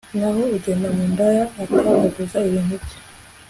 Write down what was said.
naho ugenda mu ndaya atagaguza ibintu bye